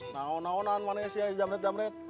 nahon nahonan manesia di jam red jam red